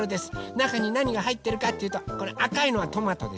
なかになにがはいってるかっていうとこのあかいのはトマトでしょ。